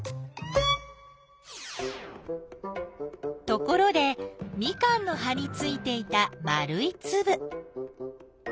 ところでミカンの葉についていた丸いつぶ。